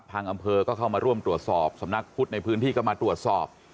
อำเภอก็เข้ามาร่วมตรวจสอบสำนักพุทธในพื้นที่ก็มาตรวจสอบ